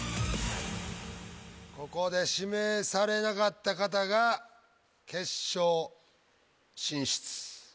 ここで指名されなかった方が決勝進出。